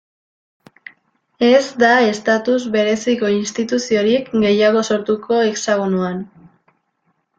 Ez da estatus bereziko instituziorik gehiago sortuko Hexagonoan.